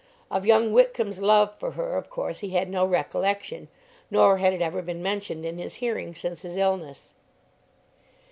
Of young Whitcomb's love for her, of course, he had no recollection, nor had it ever been mentioned in his hearing since his illness.